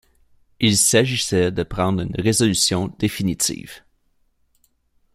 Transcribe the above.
Il s’agissait de prendre une résolution définitive.